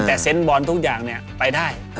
แต่เซนต์บอลทุกอย่างไปได้